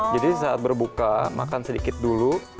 jadi saat berbuka makan sedikit dulu